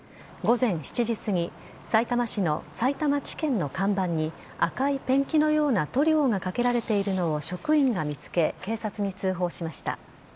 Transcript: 午前７時過ぎ、さいたま市のさいたま地検の看板に、赤いペンキのような塗料がかけられているのを職員が見つけ、警察に通報しました。